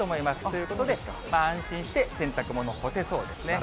ということで、安心して洗濯物干せそうですね。